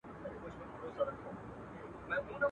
عاقبت غلیم د بل، دښمن د ځان دی. .